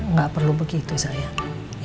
nggak perlu begitu sayang